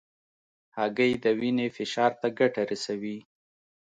هګۍ د وینې فشار ته ګټه رسوي.